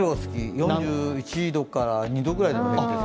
４１度から２度ぐらい。